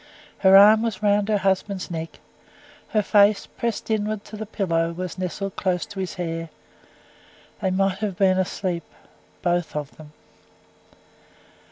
Her arm was round her husband's neck; her face, pressed inwards to the pillow, was nestled close to his hair. They might have been asleep both of them.